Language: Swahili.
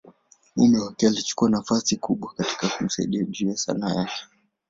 mume wake alichukua nafasi kubwa katika kumsaidia juu ya Sanaa yake.